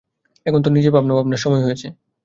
এখন তোর নিজের ভাবনা ভাববার সময় হয়েছে।